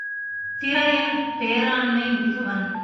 திரையன் பேராண்மை மிக்கவன்.